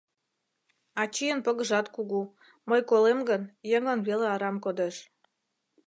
Ачийын погыжат кугу, мый колем гын, еҥлан веле арам кодеш.